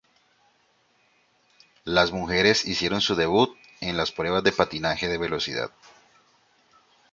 Las mujeres hicieron su debut en las pruebas de patinaje de velocidad.